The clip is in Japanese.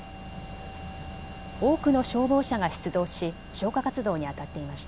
多くの消防車が出動し消火活動にあたっていました。